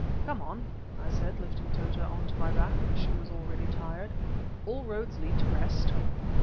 "Come on," I said, lifting Tota on to my back, for she was already tired. "All roads lead to rest."